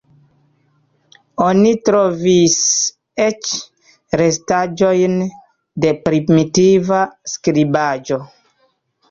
Oni trovis eĉ restaĵojn de primitiva skribaĵo.